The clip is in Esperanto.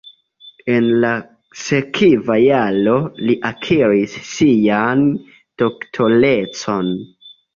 En la sekva jaro li akiris sian doktorecon.